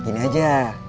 nah gini aja